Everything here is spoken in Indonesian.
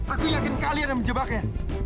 aku yakin kalian yang menjebaknya